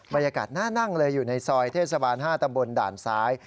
บรรยากาศน่านั่งเลยอยู่ในซอยเทศบาล๕ตำบลด่านซ้าย